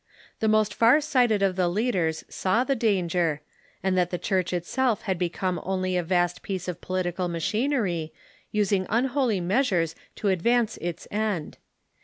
The most far sighted of the leaders saw the danger, and that the Church itself had become only a vast piece of political machinery, using unholy measures to advance its end.